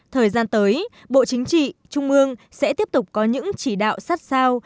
thời gian tới bộ chính trị trung ương sẽ tiếp tục có những chỉ đạo sát sao